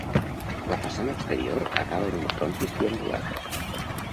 La façana exterior acaba en un frontis triangular.